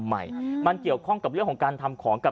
ชาวบ้านญาติโปรดแค้นไปดูภาพบรรยากาศขณะ